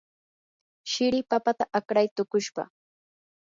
shiri papata akray tuqushpa.